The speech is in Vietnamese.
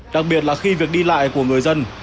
đặc biệt là khi việc đi lại của người dân